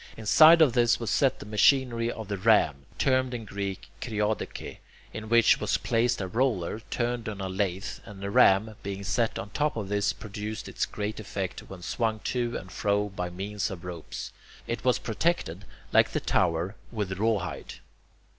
Inside of this was set the machinery of the ram, termed in Greek [Greek: kriodoche], in which was placed a roller, turned on a lathe, and the ram, being set on top of this, produced its great effects when swung to and fro by means of ropes. It was protected, like the tower, with rawhide.